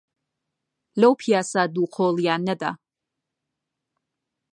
لەو پیاسە دووقۆڵییانەدا،